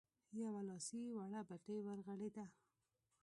يوه لاسي وړه بتۍ ورغړېده.